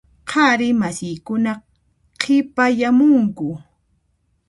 Qhari masiykuna qhipayamunku.